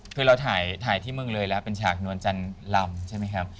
คือเราถ่ายที่เมืองเลยแล้วเป็นฉากนวลจันลำใช่ไหมครับ